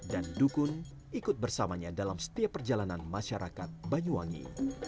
dan dukun ikut bersamanya dalam setiap perjalanan masyarakat banyuwangi